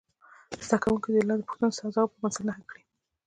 زده کوونکي دې د لاندې پوښتنو سم ځوابونه په پنسل نښه کړي.